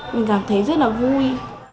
mình cảm thấy rất là vui